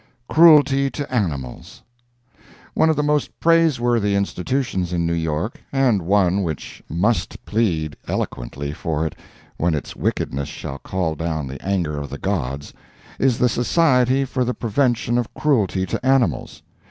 CRUELTY TO ANIMALS ONE of the most praiseworthy institutions in New York, and one which must plead eloquently for it when its wickedness shall call down the anger of the gods, is the Society for the Prevention of Cruelty to Animals.